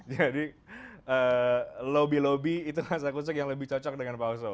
jadi lobby lobby itu kasak kusuk yang lebih cocok dengan pak oso